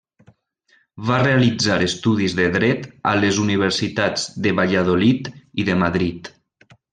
Va realitzar estudis de Dret a les Universitats de Valladolid i de Madrid.